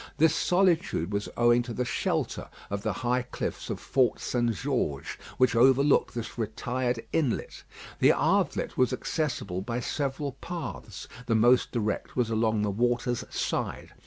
This solitude was owing to the shelter of the high cliffs of Fort St. George, which overlooked this retired inlet. The Havelet was accessible by several paths. The most direct was along the water's side.